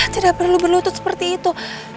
tidak perlu berlutut seperti itu